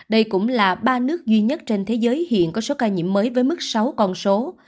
đây cũng là ba nước duy nhất trên thế giới hiện có số ca nhiễm mới với mức sáu con số